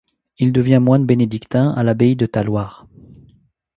Il devient moine bénédictin à l'abbaye de Talloires.